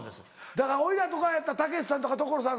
だから俺らとかやったらたけしさんとか所さん。